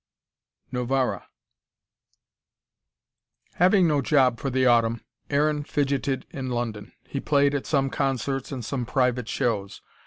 NOVARA Having no job for the autumn, Aaron fidgetted in London. He played at some concerts and some private shows.